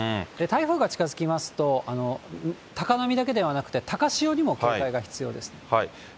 台風が近づきますと、高波だけではなくて、高潮にも警戒が必要です。